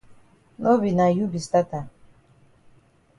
No be na you be stat am.